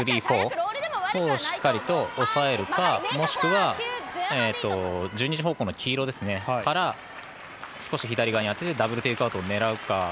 フォーをしっかりと押さえるかもしくは１２時方向の黄色から少し左側に当ててダブルテイクアウトを狙うか。